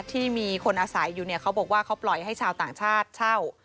ที่มีคนอาศัยอยู่เนี่ยเขาบอกว่าเขาปล่อยให้ชาวต่างชาติเช่า